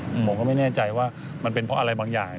ผมก็ไม่แน่ใจว่ามันเป็นเพราะอะไรบางอย่าง